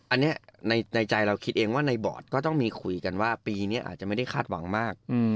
อันนี้ในใจเราคิดเองว่าในบอร์ดก็ต้องมีคุยกันว่าปีนี้อาจจะไม่ได้คาดหวังมาก